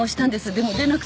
でも出なくて。